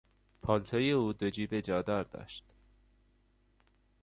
پالتو او دو جیب جادار داشت.